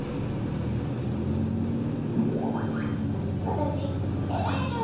わたしえるえる！